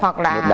hoặc là rượu bia